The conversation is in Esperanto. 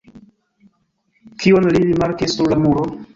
Kion li rimarkis sur la muro?